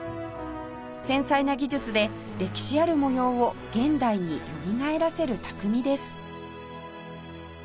繊細な技術で歴史ある模様を現代によみがえらせる匠です